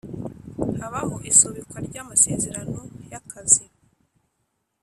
Habaho isubikwa ry amasezerano y akazi